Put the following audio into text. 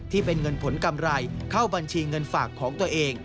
ที่เป็นเงินผลกำไรเข้าบัญชีเงินฝากของตัวเอง